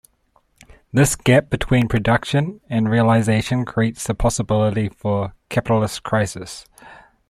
This gap between production and realization creates the possibility for capitalist crisis.